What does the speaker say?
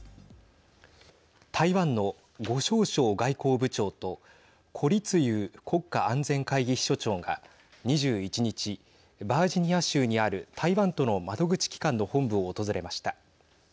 台湾の呉しょう燮外交部長と顧立雄国家安全会議秘書長が２１日バージニア州にある台湾との窓口機関の本部を訪れました。